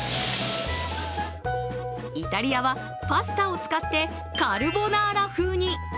イタリアはパスタを使ってカルボナーラ風に。